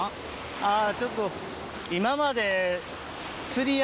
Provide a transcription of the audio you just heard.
あぁちょっと。